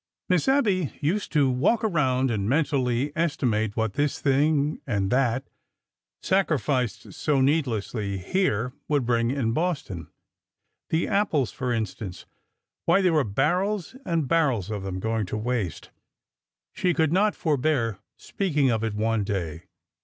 Miss Abby used to walk around and mentally estimate what this thing and that — sacrificed so needlessly here — would bring in Boston. The apples, for instance. Why, 76 ORDER NO. 11 there were barrels and barrels of them going to waste! She could not forbear speaking of it one day.